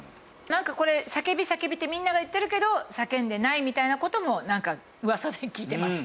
なんかこれ「叫び叫び」ってみんなが言ってるけど叫んでないみたいな事もなんか噂で聞いてます。